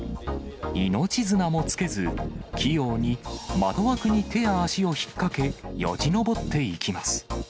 命綱もつけず、器用に窓枠に手や足を引っ掛け、よじ登っていきます。